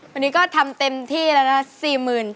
วันนี้ก็ทำเต็มที่แล้วนะ